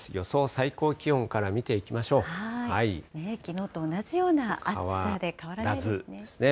最高気温から見ていきましょきのうと同じような暑さで変変わらずですね。